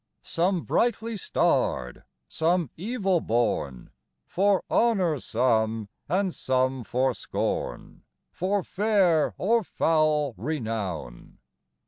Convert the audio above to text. XII. Some brightly starr'd some evil born, For honor some, and some for scorn, For fair or foul renown!